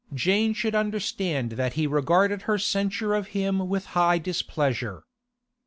Jane should understand that he regarded her censure of him with high displeasure.